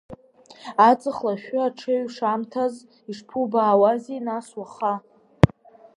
Аҵых лашәы аҽеиҩшамҭаз, исԥубаауазеи нас уаха?